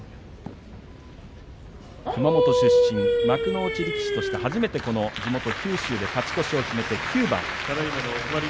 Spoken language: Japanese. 熊本出身、幕内力士として初めて地元九州で勝ち越しを決めて９番。